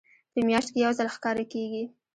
په میاشت کې یو ځل ښکاره کیږي.